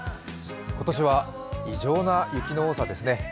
今年は異常な雪の多さですね。